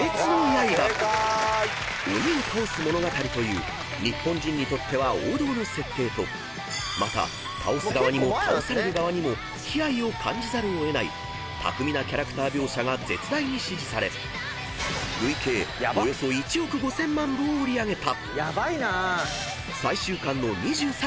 ［鬼を倒す物語という日本人にとっては王道の設定とまた倒す側にも倒される側にも悲哀を感じざるを得ない巧みなキャラクター描写が絶大に支持され累計およそ１億５，０００万部を売り上げた］